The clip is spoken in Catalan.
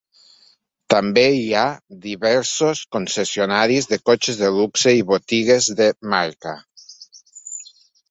També hi ha diversos concessionaris de cotxes de luxe i botigues de marca.